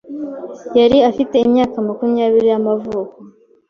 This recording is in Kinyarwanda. yari afite imyaka makumyabiri y’amavuko,